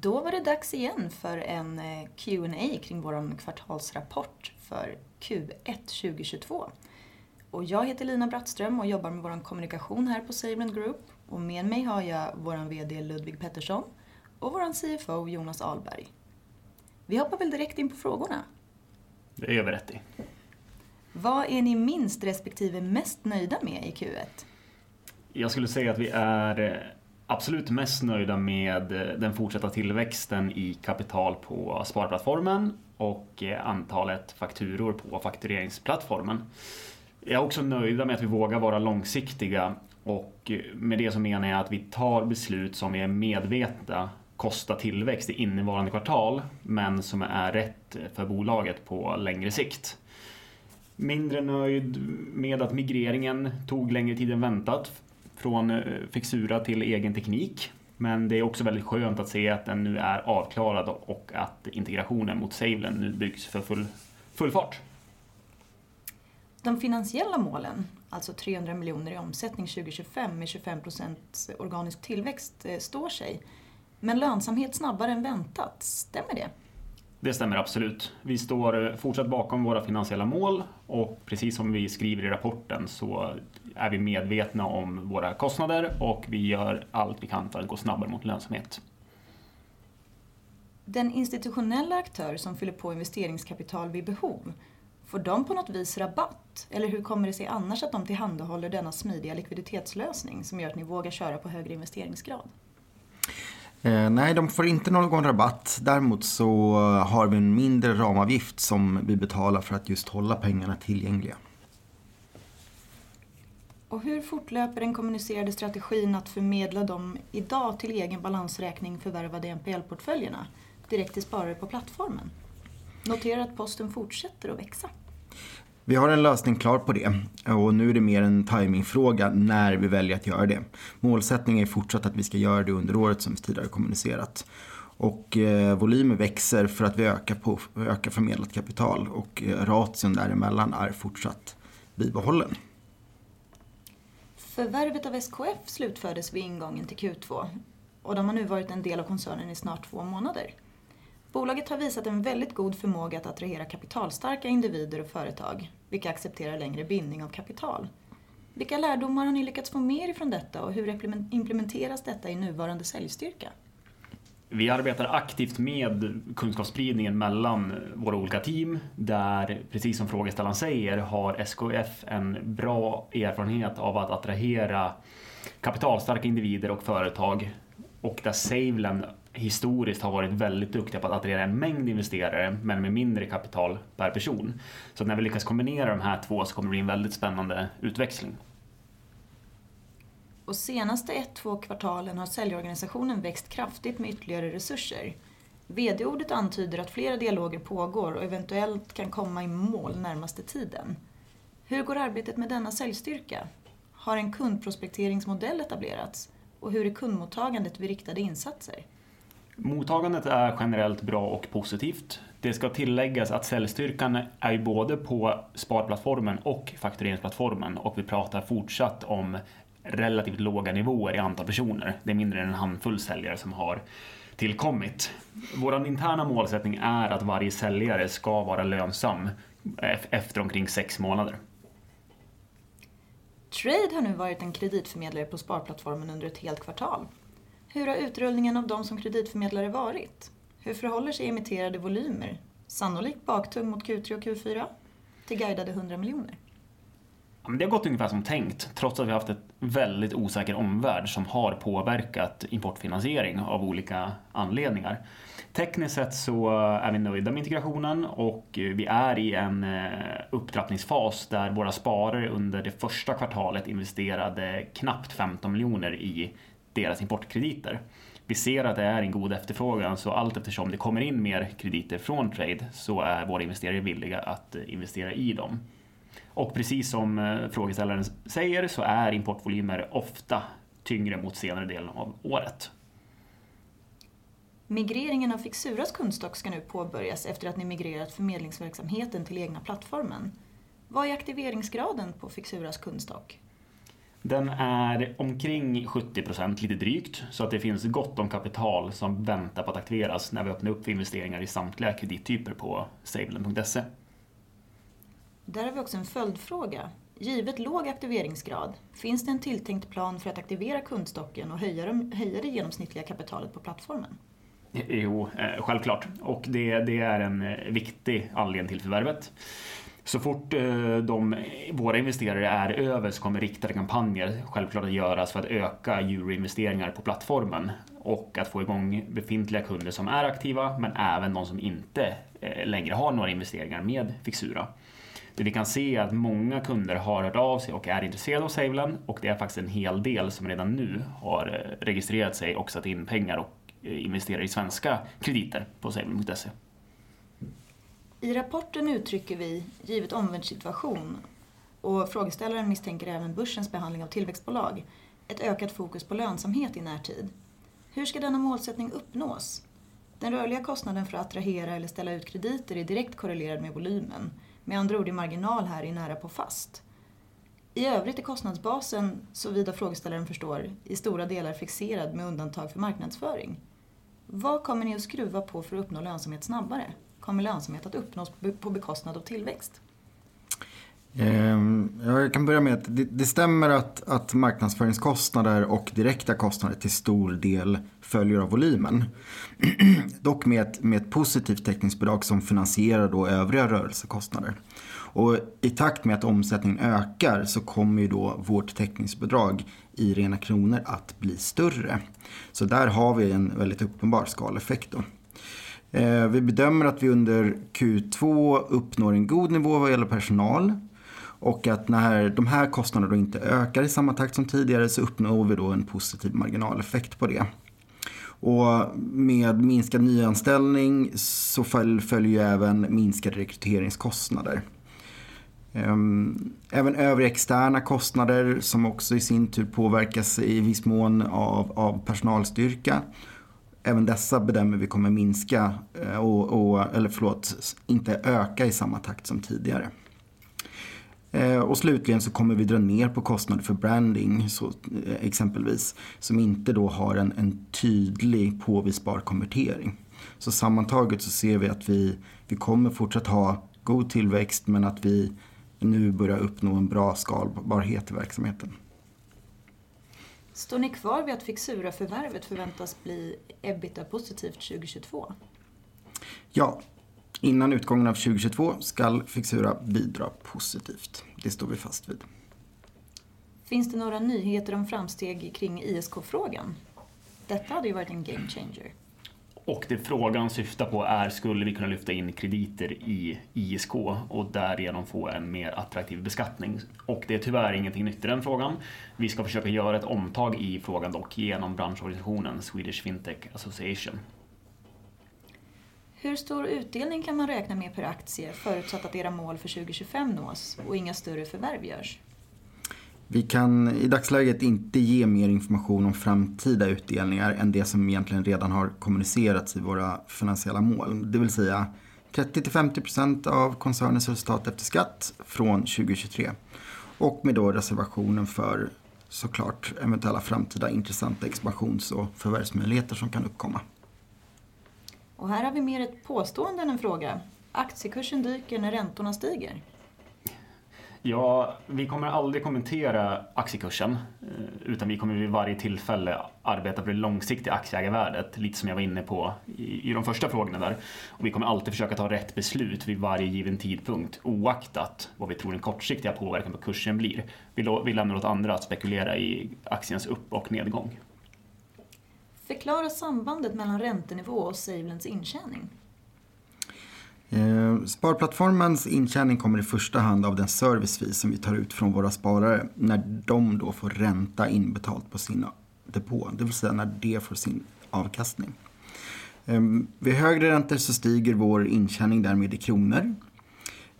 Då var det dags igen för en Q and A kring vår kvartalsrapport för Q1 2022. Jag heter Lina Brattström och jobbar med vår kommunikation här på SaveLend Group och med mig har jag vår vd Ludvig Pettersson och vår CFO Jonas Ahlberg. Vi hoppar väl direkt in på frågorna. Det gör vi rätt i. Vad är ni minst respektive mest nöjda med i Q1? Jag skulle säga att vi är absolut mest nöjda med den fortsatta tillväxten i kapital på sparplattformen och antalet fakturor på faktureringsplattformen. Jag är också nöjda med att vi vågar vara långsiktiga och med det som menar jag att vi tar beslut som vi är medvetna kostar tillväxt i innevarande kvartal, men som är rätt för bolaget på längre sikt. Mindre nöjd med att migreringen tog längre tid än väntat från Fixura till egen teknik. Det är också väldigt skönt att se att den nu är avklarad och att integrationen mot SaveLend nu byggs för full fart. De finansiella målen, alltså SEK 300 miljoner i omsättning 2025 med 25% organisk tillväxt står sig. Lönsamhet snabbare än väntat. Stämmer det? Det stämmer absolut. Vi står fortsatt bakom våra finansiella mål och precis som vi skriver i rapporten så är vi medvetna om våra kostnader och vi gör allt vi kan för att gå snabbare mot lönsamhet. Den institutionella aktör som fyller på investeringskapital vid behov, får de på något vis rabatt? Eller hur kommer det sig annars att de tillhandahåller denna smidiga likviditetslösning som gör att ni vågar köra på högre investeringsgrad? Nej, de får inte någon rabatt. Däremot så har vi en mindre ramavgift som vi betalar för att just hålla pengarna tillgängliga. Hur fortlöper den kommunicerade strategin att förmedla de i dag till egen balansräkning förvärvade MPL-portföljerna direkt till sparare på plattformen? Notera att posten fortsätter att växa. Vi har en lösning klar på det och nu är det mer en timingfråga när vi väljer att göra det. Målsättningen är fortsatt att vi ska göra det under året som tidigare kommunicerat. Volymen växer för att vi ökar på förmedlat kapital och relationen där emellan är fortsatt bibehållen. Förvärvet av SKF slutfördes vid ingången till Q2 och de har nu varit en del av koncernen i snart två månader. Bolaget har visat en väldigt god förmåga att attrahera kapitalstarka individer och företag, vilka accepterar längre bindning av kapital. Vilka lärdomar har ni lyckats få med er ifrån detta och hur implementeras detta i nuvarande säljstyrka? Vi arbetar aktivt med kunskapsspridningen mellan våra olika team. Där, precis som frågeställaren säger, har SKF en bra erfarenhet av att attrahera kapitalstarka individer och företag och där SaveLend historiskt har varit väldigt duktiga på att attrahera en mängd investerare, men med mindre kapital per person. När vi lyckas kombinera de här två så kommer det bli en väldigt spännande utväxling. Senaste 1, 2 kvartalen har säljorganisationen växt kraftigt med ytterligare resurser. VD-ordet antyder att flera dialoger pågår och eventuellt kan komma i mål närmaste tiden. Hur går arbetet med denna säljstyrka? Har en kundprospekteringsmodell etablerats? Hur är kundmottagandet vid riktade insatser? Mottagandet är generellt bra och positivt. Det ska tilläggas att säljstyrkan är ju både på sparplattformen och faktureringsplattformen och vi pratar fortsatt om relativt låga nivåer i antal personer. Det är mindre än en handfull säljare som har tillkommit. Vår interna målsättning är att varje säljare ska vara lönsam efter omkring 6 månader. Treyd har nu varit en kreditförmedlare på sparplattformen under ett helt kvartal. Hur har utrullningen av dem som kreditförmedlare varit? Hur förhåller sig emitterade volymer? Sannolikt backtung mot Q3 och Q4 till guidade SEK 100 million. Det har gått ungefär som tänkt, trots att vi haft ett väldigt osäker omvärld som har påverkat importfinansiering av olika anledningar. Tekniskt sett så är vi nöjda med integrationen och vi är i en upptrappningsfas där våra sparare under det första kvartalet investerade knappt SEK 15 million i deras importkrediter. Vi ser att det är en god efterfrågan, så allteftersom det kommer in mer krediter från Treyd så är våra investerare villiga att investera i dem. Precis som frågeställaren säger så är importvolymer ofta tyngre mot senare delen av året. Migreringen av Fixuras kundstock ska nu påbörjas efter att ni migrerat förmedlingsverksamheten till egna plattformen. Vad är aktiveringsgraden på Fixuras kundstock? Den är omkring 70%, lite drygt, så att det finns gott om kapital som väntar på att aktiveras när vi öppnar upp för investeringar i samtliga kredittyper på savelend.se. Där har vi också en följdfråga. Givet låg aktiveringsgrad, finns det en tilltänkt plan för att aktivera kundstocken och höja det genomsnittliga kapitalet på plattformen? Jo, självklart. Det är en viktig anledning till förvärvet. Så fort de, våra investerare är över så kommer riktade kampanjer självklart göras för att öka euro-investeringar på plattformen och att få igång befintliga kunder som är aktiva, men även de som inte längre har några investeringar med Fixura. Det vi kan se att många kunder har hört av sig och är intresserade av SaveLend och det är faktiskt en hel del som redan nu har registrerat sig och satt in pengar och investerar i svenska krediter på savelend.se. I rapporten uttrycker vi, givet omvärldssituation, och frågeställaren misstänker även börsens behandling av tillväxtbolag, ett ökat fokus på lönsamhet i närtid. Hur ska denna målsättning uppnås? Den rörliga kostnaden för att attrahera eller ställa ut krediter är direkt korrelerad med volymen. Med andra ord, din marginal här är nära på fast. I övrigt är kostnadsbasen, såvida frågeställaren förstår, i stora delar fixerad med undantag för marknadsföring. Vad kommer ni att skruva på för att uppnå lönsamhet snabbare? Kommer lönsamhet att uppnås på bekostnad av tillväxt? Jag kan börja med att det stämmer att marknadsföringskostnader och direkta kostnader till stor del följer av volymen. Dock med ett positivt täckningsbidrag som finansierar övriga rörelsekostnader. I takt med att omsättningen ökar så kommer ju vårt täckningsbidrag i rena kronor att bli större. Där har vi en väldigt uppenbar skaleffekt. Vi bedömer att vi under Q2 uppnår en god nivå vad gäller personal och att när de här kostnaderna inte ökar i samma takt som tidigare så uppnår vi en positiv marginaleffekt på det. Med minskad nyanställning så följer ju även minskade rekryteringskostnader. Även övriga externa kostnader som också i sin tur påverkas i viss mån av personalstyrka. Även dessa bedömer vi kommer inte öka i samma takt som tidigare. Slutligen så kommer vi dra ner på kostnader för branding, så exempelvis som inte då har en tydlig påvisbar konvertering. Sammantaget så ser vi att vi kommer fortsatt ha god tillväxt, men att vi nu börjar uppnå en bra skalbarhet i verksamheten. Står ni kvar vid att Fixura-förvärvet förväntas bli EBITDA positivt 2022? Ja, innan utgången av 2022 skall Fixura bidra positivt. Det står vi fast vid. Finns det några nyheter om framsteg kring ISK-frågan? Detta hade ju varit en game changer. Den frågan syftar på är skulle vi kunna lyfta in krediter i ISK och därigenom få en mer attraktiv beskattning. Det är tyvärr ingenting nytt i den frågan. Vi ska försöka göra ett omtag i frågan dock genom branschorganisationen Swedish Fintech Association. Hur stor utdelning kan man räkna med per aktie förutsatt att era mål för 2025 nås och inga större förvärv görs? Vi kan i dagsläget inte ge mer information om framtida utdelningar än det som egentligen redan har kommunicerats i våra finansiella mål. Det vill säga 30%-50% av koncernens resultat efter skatt från 2023. Med den reservationen för så klart eventuella framtida intressanta expansions- och förvärvsmöjligheter som kan uppkomma. Här har vi mer ett påstående än en fråga. Aktiekursen dyker när räntorna stiger. Ja, vi kommer aldrig kommentera aktiekursen, utan vi kommer vid varje tillfälle arbeta för det långsiktiga aktieägarvärdet, lite som jag var inne på i de första frågorna där. Vi kommer alltid försöka ta rätt beslut vid varje given tidpunkt, oaktat vad vi tror den kortsiktiga påverkan på kursen blir. Vi lämnar åt andra att spekulera i aktiens upp- och nedgång. Förklara sambandet mellan räntenivå och SaveLend's intjäning. Sparplattformens intjäning kommer i första hand av den service fee som vi tar ut från våra sparare när de då får ränta inbetalt på sina depå, det vill säga när de får sin avkastning. Vid högre räntor så stiger vår intjäning därmed i kronor,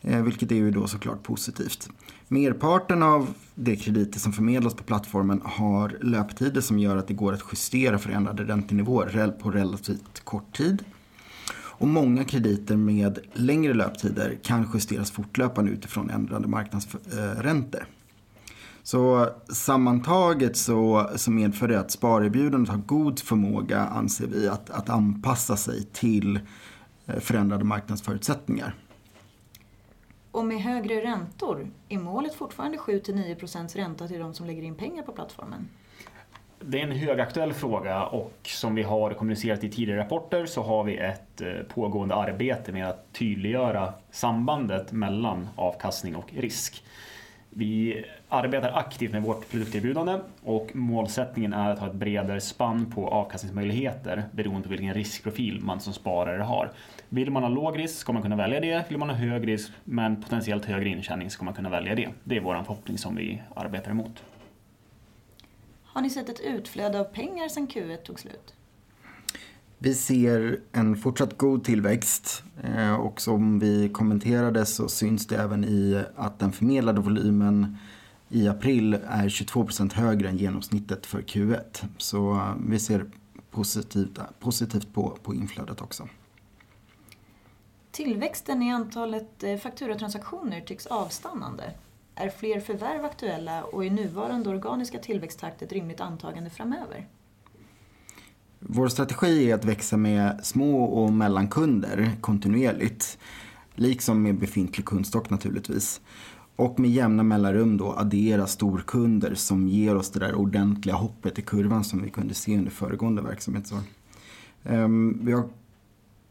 vilket är ju då så klart positivt. Merparten av de krediter som förmedlas på plattformen har löptider som gör att det går att justera förändrade räntenivåer på relativt kort tid. Många krediter med längre löptider kan justeras fortlöpande utifrån ändrade marknadsräntor. Sammantaget medför det att sparerbjudandet har god förmåga anser vi att anpassa sig till förändrade marknadsförutsättningar. Med högre räntor, är målet fortfarande 7-9% ränta till de som lägger in pengar på plattformen? Det är en högaktuell fråga och som vi har kommunicerat i tidigare rapporter så har vi ett pågående arbete med att tydliggöra sambandet mellan avkastning och risk. Vi arbetar aktivt med vårt produkterbjudande och målsättningen är att ha ett bredare spann på avkastningsmöjligheter beroende på vilken riskprofil man som sparare har. Vill man ha låg risk ska man kunna välja det. Vill man ha hög risk men potentiellt högre intjäning ska man kunna välja det. Det är vår förhoppning som vi arbetar mot. Har ni sett ett utflöde av pengar sedan Q1 tog slut? Vi ser en fortsatt god tillväxt, och som vi kommenterade så syns det även i att den förmedlade volymen i april är 22% högre än genomsnittet för Q1. Vi ser positivt på inflödet också. Tillväxten i antalet fakturatransaktioner tycks avstanna. Är fler förvärv aktuella och är nuvarande organiska tillväxttakt ett rimligt antagande framöver? Vår strategi är att växa med små och mellankunder kontinuerligt. Liksom med befintlig kundstock naturligtvis. Med jämna mellanrum då addera storkunder som ger oss det där ordentliga hoppet i kurvan som vi kunde se under föregående verksamhetsår. Vi har,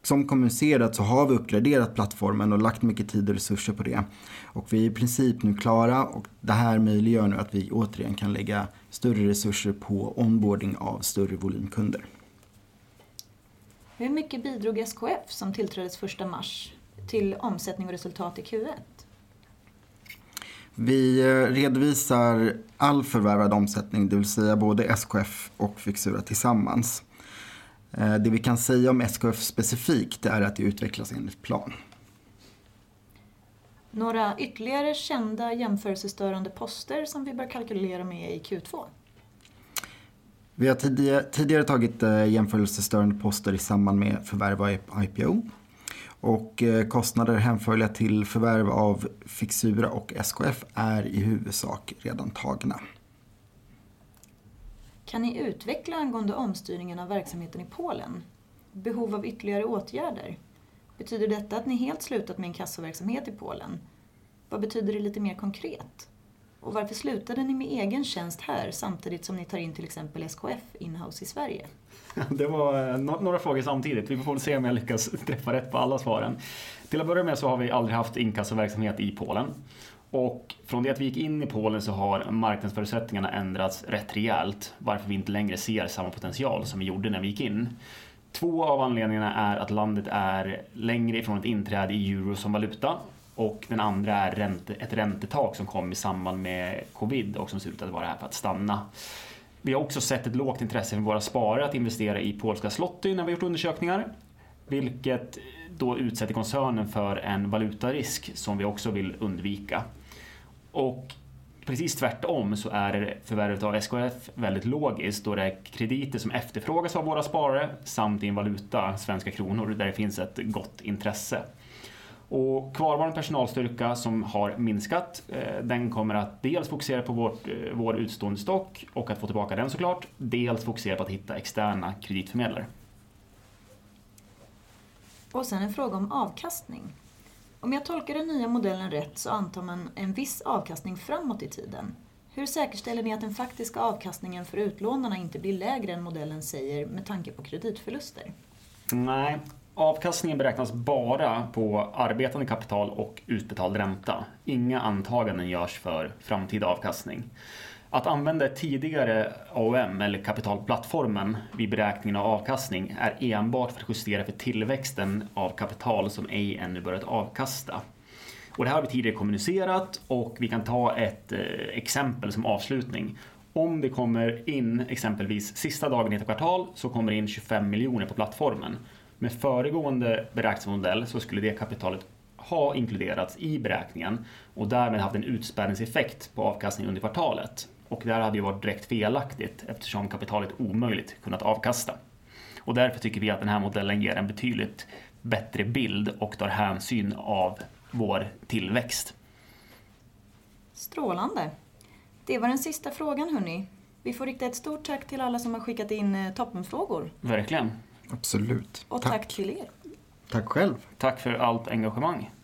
som kommunicerat så har vi uppgraderat plattformen och lagt mycket tid och resurser på det. Vi är i princip nu klara. Det här möjliggör nu att vi återigen kan lägga större resurser på onboarding av större volymkunder. Hur mycket bidrog SKF som tillträdde första mars till omsättning och resultat i Q1? Vi redovisar all förvärvad omsättning, det vill säga både SKF och Fixura tillsammans. Det vi kan säga om SKF specifikt, det är att det utvecklas enligt plan. Några ytterligare kända jämförelsestörande poster som vi bör kalkylera med i Q2? Vi har tidigare tagit jämförelsestörande poster i samband med förvärv och IPO. Kostnader hänförliga till förvärv av Fixura och SKF är i huvudsak redan tagna. Kan ni utveckla angående omstyrningen av verksamheten i Polen? Behov av ytterligare åtgärder. Betyder detta att ni helt slutat med inkassoverksamhet i Polen? Vad betyder det lite mer konkret? Varför slutade ni med egen tjänst här samtidigt som ni tar in till exempel SKF in-house i Sverige? Det var några frågor samtidigt. Vi får väl se om jag lyckas träffa rätt på alla svaren. Till att börja med så har vi aldrig haft inkassoverksamhet i Polen. Från det att vi gick in i Polen så har marknadsförutsättningarna ändrats rätt rejält, varför vi inte längre ser samma potential som vi gjorde när vi gick in. Två av anledningarna är att landet är längre ifrån ett inträde i euro som valuta och den andra är ett räntetak som kom i samband med covid och som ser ut att vara här för att stanna. Vi har också sett ett lågt intresse från våra sparare att investera i polska zloty när vi har gjort undersökningar, vilket då utsätter koncernen för en valutarisk som vi också vill undvika. Precis tvärtom så är förvärvet av SKF väldigt logiskt då det är krediter som efterfrågas av våra sparare samt i en valuta, svenska kronor, där det finns ett gott intresse. Kvarvarande personalstyrka som har minskat, den kommer att dels fokusera på vår utestående stock och att få tillbaka den så klart, dels fokusera på att hitta externa kreditförmedlare. En fråga om avkastning. Om jag tolkar den nya modellen rätt så antar man en viss avkastning framåt i tiden. Hur säkerställer ni att den faktiska avkastningen för utlånarna inte blir lägre än modellen säger med tanke på kreditförluster? Nej, avkastningen beräknas bara på arbetande kapital och utbetald ränta. Inga antaganden görs för framtida avkastning. Att använda tidigare AUM eller kapitalplattformen vid beräkningen av avkastning är enbart för att justera för tillväxten av kapital som ej ännu börjat avkasta. Det här har vi tidigare kommunicerat och vi kan ta ett exempel som avslutning. Om det kommer in exempelvis sista dagen i ett kvartal så kommer det in SEK 25 miljoner på plattformen. Med föregående beräkningsmodell så skulle det kapitalet ha inkluderats i beräkningen och därmed haft en utspädningseffekt på avkastningen under kvartalet. Där hade ju varit direkt felaktigt eftersom kapitalet omöjligt kunnat avkasta. Därför tycker vi att den här modellen ger en betydligt bättre bild och tar hänsyn av vår tillväxt. Strålande. Det var den sista frågan hörni. Vi får rikta ett stort tack till alla som har skickat in toppfrågor. Verkligen. Absolut. Tack till er. Tack själv. Tack för allt engagemang.